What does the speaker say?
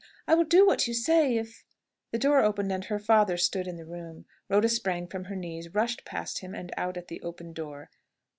I will do what you say, if " The door opened, and her father stood in the room. Rhoda sprang from her knees, rushed past him, and out at the open door.